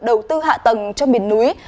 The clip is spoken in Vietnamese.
đầu tư hạ tầng cho miền núi